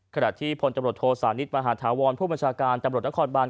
ขณะที่พลตำรวจโทสานิทมหาธาวรผู้บัญชาการตำรวจนครบาน